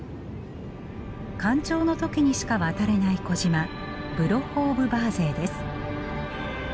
干潮の時にしか渡れない小島ブロッホ・オブ・バーゼイです。